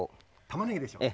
たまねぎでしょう！